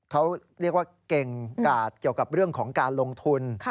เขาเรียกว่าเก่งกาดเกี่ยวกับเรื่องของการลงทุน